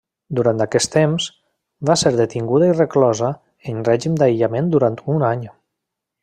Durant aquest temps, va ser detinguda i reclosa en règim d'aïllament durant un any.